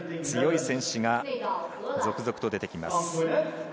強い選手が続々と出てきます。